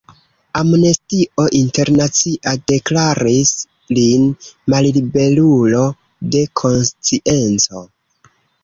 Amnestio Internacia deklaris lin malliberulo de konscienco.